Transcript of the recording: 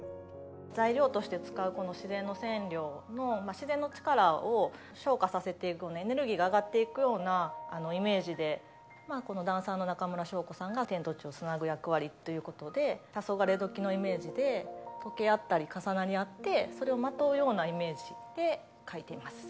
材料として使うこの自然の染料のまあ自然の力を昇華させていくエネルギーが上がっていくようなイメージでこのダンサーの中村祥子さんが天と地をつなぐ役割ってことでたそがれどきのイメージで溶け合ったり重なり合ってそれをまとうようなイメージで描いています。